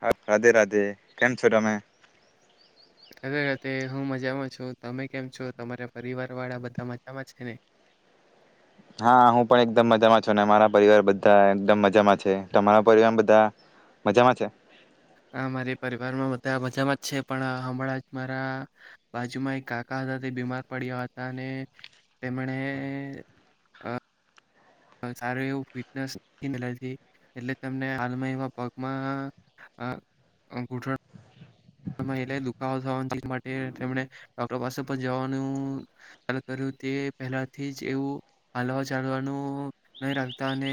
હ રાધે રાધે કેમ છો ડમે. ર રતે હું મજામાં છું તમે કેમ છો તમારા પરિવાર વાળા બધા મજામાં છે ને. હા હું પણ એકદમ મજામાં છું મારા પરિવાર બધા એકદમ મજામાં છે તમારા પરિવાર બધા મજામાં છે. હ મારી પરિવારમાં બધા મજામાં જ છે પણ હમણાં જ મારા બાજુમાં એક કાકા હતા તે બીમાર પડ્યા હતા અને તેમણે અ સારું એવું ફિટનેસતી એટલે તમને હાલમાં એ પગમાં ગોઠણ દુખાવો થવા માટે તેમણે ડોક્ટર પાસે પણ જવાનું કર્યું તે પહેલાથી જ એવું હાલવા ચાલવાનું નહી રાખતા અને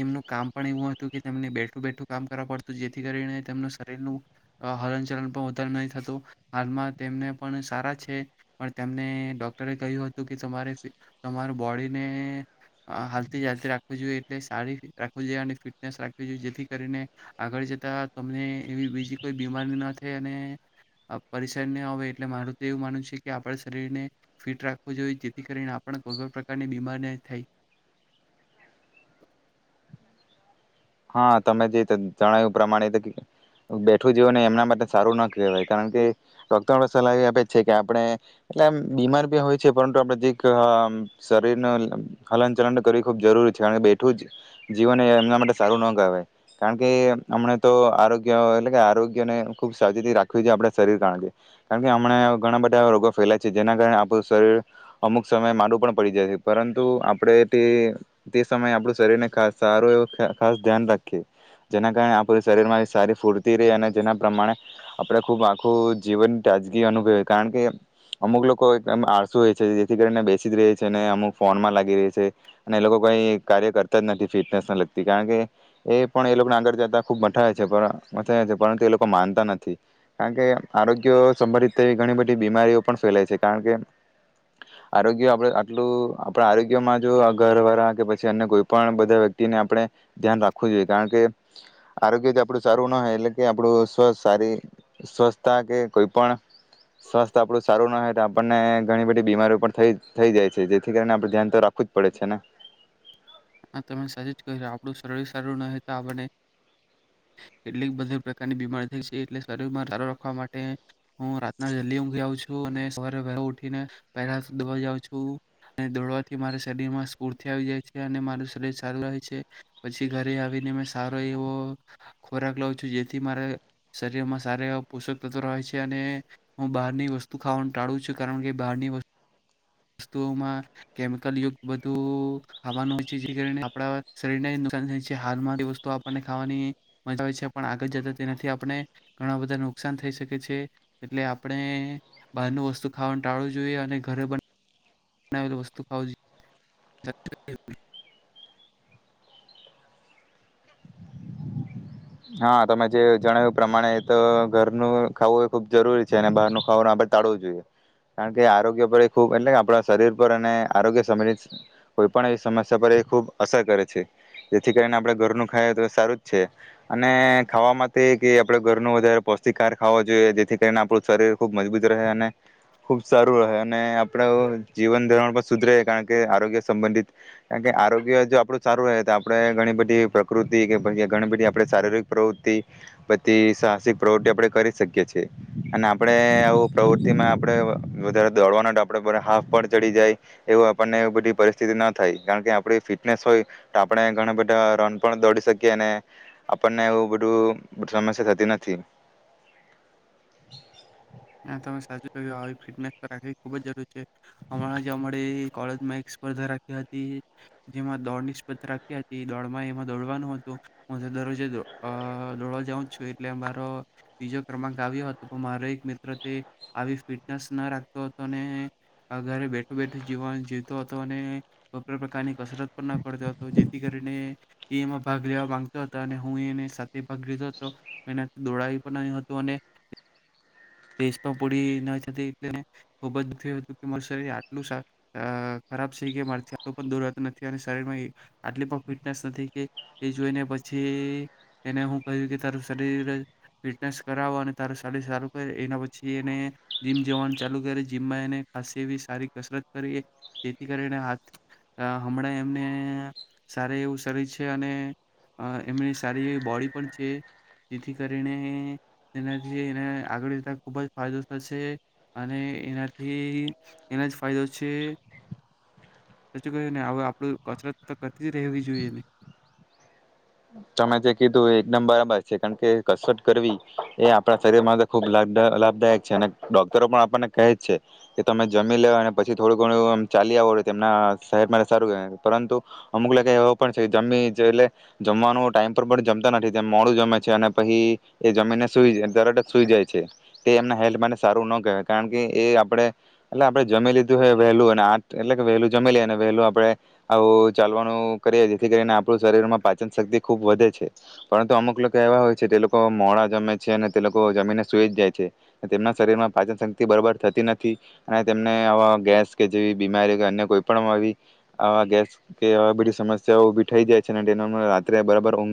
એમનું કામ પણ એવું હતું કે તેમને બેઠું બેઠું કામ કરવા પડતું જેથી કરીને તેમનું શરીરનું. હલન ચલન પણ વધારે નહીં થતું હાલમાં તેમને પણ સારા છે પણ તેમને ડોક્ટરે કહ્યું હતું કે તમારે તમાર બોડીને હાલતી ચાલતી રાખવીું જોઈએ એટલે સારી રાખવીું જોઈએ અને ફિટનેસ રાખવી જોઈએ જેથી કરીને આગળ જતાં તમને એવી બીજી કોઈ બીમારી ના થાય અને પરેશાન ના આવે એટલે મારું તો એવું માનવ છે કે આપણા શરીરને ફિટ રાખવું જોઈએ જેથી કરીને આપણે કોઈ પણ પ્રકારની બીમારી ન થાય. હા તમે જે જણાવ્યું પ્રમાણે બેઠું જીવોને એમના માટે સારું ના કહેવાય કારણ કે ડોક્ટર સલાહ એ આપે છે કે આપણે એટલે બીમાર બી હોય છે પરંતુ આપણે જે શરીરનું હલન ચલન કરવી ખૂબ જરૂરી છે કારણ કે બેઠું જીવોને એમના માટે સારું ન કહેવાય કારણ કે હમણા તો આરોગ્ય એટલે કે આરોગ્યને ખૂબ સાવચેતી રાખવી છે આપણા શરીર કારણથી કારણ કે હમણાં ઘણા બધા એવા રોગો ફેલાય છે જેના કારણે આપણું શરીર અમુક સમયે માડું પણ પડી જાય છે પરંતુ આપણે તે તે સમયે આપણું શરીરને ખાસ સારું એવું ખાસ ધ્યાન રાખીએ જેના કારણે આપ શરીરમાં સારી ફૂર્તી રહે અને જેના પ્રમાણે આપણે ખુબ આખું જીવન તાજગી અનુભવી કારણ કે અમુક લોકો એકમ આળસુ હોય છે જેથી કરીને બેસી જ રહે છે ને અમુક ફોનમાં લાગી રે છે અને એ લોકો કઈ કાર્ય કરતા જ નથી ફિટનેસ લગ કારણ કે એ પણ એ લોકોના આગળ જતા ખૂબ મઠાય છે માય છે પરંતુ એ લોકો માનતા નથી કારણ કે આરોગ્ય સંભવિતવી ઘણી બધી બીમારીઓ પણ ફેલાય છે કારણ કે આરોગ્ય આપ આટલું આપણા આરોગ્યમાં જો આ ઘરવાળા કે પછી અન્ય કોઈ પણ બધા વ્યક્તિને આપણે ધ્યાન રાખવું જોઈએ કારણ કે આરોગ્ય તો આપણું સારું ના હો એટલે કે આપણું સ્વસ્ સારી સ્વચથતા કે કોઈ પણ સ્વસ્થ આપણું સારું ના હો તો આપણને ઘણી બધી બીમારીઓ પણ થઈ જાય છે જેથી કરીને આપડું ધ્યાન તો રાખવું જ પડે છે ને આપણું શરીર સારું ન તો આપને કેટલીક બધા પ્રકારની બીમારી થઈ છે એટલે શરીર માં સારું રાખવા માટે હું રાતના જલ્દી ઉઘ આવ છું અને સવારે ઉઠીને પહેલા દોવાઉં છું અને દોડવાથી મારા શરીરમાં સ્ફૂર્તિ આવી જાય છે અને શરીર સારું રહે છે પછી ઘરે આવીને મે સારો એવો ખોરાક લઉ છું જેથી મારા શરીર માં સારા એ પોષક તત્વો રહે છે અને હું બહારની વસ્તુ ખાવાનું ટાળું છું કારણ કે બહારની વસ્તુઓમાં કેમિકલ યુક્ત બધું આવાનું હોય જે કરીને આપણા શરીરને નુકસાન થાય છે હાલમાં વસ્તુ આપણને ખાવાની મજા આવે છે પણ આગળ જતા તેનાથી આપણે ઘણા બધા નુકસાન થઈ શકે છે એટલે આપણે બહારનું વસ્તુ ખાવાનું ટાળવું જોઈએ અને ઘરે બન બનાવેલ વસ્તુ ખાવુ જોઈએ હા તમે જે જણાવ્યું એ પ્રમાણે એ તો ઘરનું ખાવું એ ખૂબ જરૂરી છે અને બહારનું ખાવવાુંનું આપણે ટાળવું જોઈએ કારણ કે આરોગ્ય પર એ ખૂબ એટલે આપણા શરીર પર અને આરોગ્ય સંબંધિત કોઈ પણ એ સમસ્યા પર એ ખૂબ અસર કરે છે જેથી કરીને આપણે ઘરનું ખાઈએ તો સારું જ છે. અને ખાવા માટે કે આપડે ઘરનો વધારે પૌષ્ટિકાર ખાવો જોઈએ જેથી કરીને આપણું શરીર ખૂબ મજબૂત રહે અને ખુબ સારું રહે અને આપડું જીવન ધરણ પણ સુધરે કારણ કે આરોગ્ય સંબંધિત કારણ કે આરોગ્ય જો આપણું સારું રહે તો આપણે ઘણી બધી પ્રકૃતિ કે ઘણી બધી આપણે શારીરિક પ્રવૃત્તિ બધી સાહસિક પ્રવૃત્તિ આપણે કરી શકીએ છીએ અને આપણે આવું પ્રવૃતિમાં આપણે વધારે દોડવાના આપણે બ હાફ પણ ચડી જાય એવું આપણને એ બધી પરિસ્થિતિ ન થાય કારણ કે આપણી ફિટનેસ હોય તો આપણે ઘણા બધા રન પણ દોડી શકીએ અને આપણને એવું બધું સમસ્યા થતી નથી સાચ ફિટનેસ તો રાખવી ખુબ જ જરૂર છે હમં કોલેજમાં એક સ્પર્ધા રાખી હતી જેમાં દોડની સ્પર્ધા રાખી હતી દોડમાં એમાં દોડવાનું હતું હું દરરોજે દોડવા જાઉં છું એટલે મારો બીજો ક્રમાંક આવ્યો હતો પણ મારો એક્ર આવી ફિટનેસ ના રાખતો હતો અને અરે બેઠો બેઠું જીવા જીવતો હતો અને કો પ્રકારની કસરત પણ ના કરતો હતો જેથી કરીને એમાં ભાગ લેવા માંગતો હતો અને હું એ સાથે ભાગ લીધો હતો એ દોડાવી પણ ન હતો અને પૂરી ના થતી એટલે ખૂબ જ થું હતું કે મારું શરીર આટલું ખરાબ છે કે મા આલું પણ દૂરતું નથી અને શરીરમાં આટલી પણ ફિટનેસ નથી કે એ જોઈને પછી એને હું કહ્યું કે તારું શરીર ફિટનેસ કરાવો અને તારું શરીર સારું એના પછી એને જીમ જવાનું ચાલુ કરી જીમમાં એને ખાસ એવી સારી કસરત કરી જેથી કરીને હાથ હમણાં એમને સારા એવું શરીર છે અને એમની સારી એવી બોડી પણ છે જેથી કરીને એનાથી એને આગળ જતા ખૂબ જ ફાયદો થશે અને એનાથી એના જ ફાયદો છે સાચું ક ને આપણું કસરત કરતી જ રહેવી જોઈએને. તમે જે કીધું એકદમ બરાબર છે કારણ કે કસરત કરવી એ આપણા શરીર માં ખુબ લાભદાયક છે અને ડોક્ટરો પણ આપણને કહે છે કે તમે જમી લેવા પછી થોડું ઘણું ચાલી આવો તેમના શહેત સારું પરંતુ અમુક લગ એવ પણ છે જમીટલે. જમવાનું ટાઈમ પર પણ જમતા નથી તેમ મોડું જમે છે અને પછી એ જમીને સુઈ જાય દરટ જ સુઈ જાય છે તે એમના હેલ્થ માટે સારું ન કહેવાય કારણ કે એ આપણે એટલે આપણે જમી લીધું હ વહેલું અને આ એટલે કે વહેલું જમી લઈએ અને વહેલું આપડે આવું ચાલવાનું કરીએ જેથી કરીને આપણું શરીર માં ખૂબ વધે છે પરંતુ અમુક લોકો એવા હોય છે જે લોકો મોડા જમે છે અને તે લોકો જમીને સુઈ જ જાય છે તેમના શરીરમાં પાચન શક્તિ બરાબર થતી નથી અને તેમને આવા ગેસ કે જેવી બીમારી કે અન્ય કોઈ પણ આવી આ ગેસ કે આ બધી સમસ્યાઓ ઉભી થઈ જાય છે અને તેનો રાત્રે બરાબર ઉધ